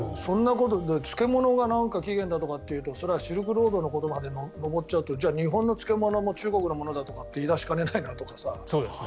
漬物が起源だとかって言ってもそれはシルクロードのことまでさかのぼっちゃうと日本の漬物も中国のものだとかって言い出しかねないとかさ。